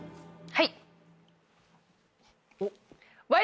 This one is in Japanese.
はい。